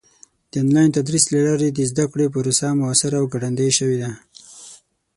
د آنلاین تدریس له لارې د زده کړې پروسه موثره او ګړندۍ شوې ده.